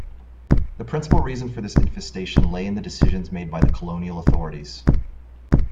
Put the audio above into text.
The principal reason for this infestation lay in decisions made by the colonial authorities.